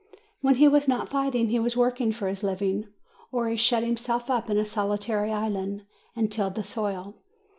When he was not fighting, he was working for his living, or he shut himself up in a solitary island, and tilled the soil.